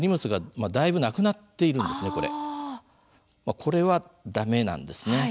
これは駄目なんですね。